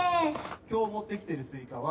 今日持ってきているスイカは。